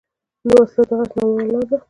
وسله د غچ ناوړه لاره ده